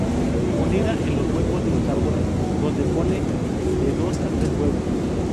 Anida en los huecos de los árboles, donde pone de dos a tres huevos.